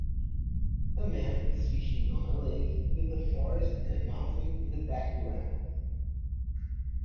A man is fishing on a lake with a forest and mountain in the background.